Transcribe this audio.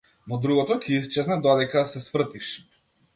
Но другото ќе исчезне додека да се свртиш.